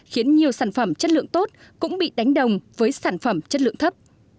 khiến nhiều sản phẩm chất lượng tốt cũng bị đánh đồng với sản phẩm chất lượng thấp